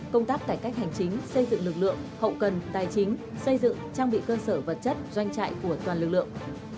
công tác cải cách hành chính xây dựng lực lượng hậu cần tài chính xây dựng trang bị cơ sở vật chất doanh trại của toàn lực lượng